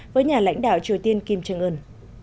với nhà lãnh đạo triều tiên kim jong un